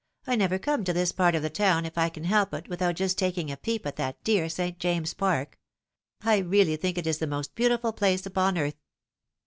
" I never come to this part of the town, if I can help it, without just taking a peep at that dear St. James's Park. I really tlunk it is the most beautiful place upon earth."